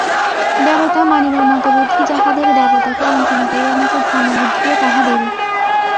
দেবতা মানিবার মতো বুদ্ধি যাহাদের, দেবতাকে বঞ্চনা করিবার মতো ধর্মবুদ্ধিও তাহাদেরই।